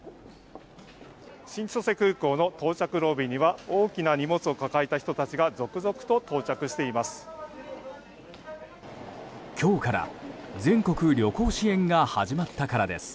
新千歳空港の到着ロビーには大きな荷物を抱えた人たちが続々と到着しています。